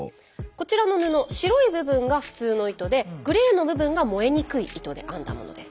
こちらの布白い部分が普通の糸でグレーの部分が燃えにくい糸で編んだものです。